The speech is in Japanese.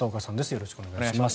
よろしくお願いします。